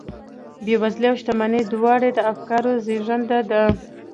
بېوزلي او شتمني دواړې د افکارو زېږنده دي